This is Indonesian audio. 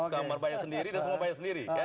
kamar bayar sendiri dan semua bayar sendiri